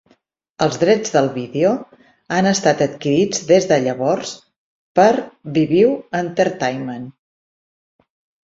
Els drets del vídeo han estat adquirits des de llavors per Viviu Entertainment.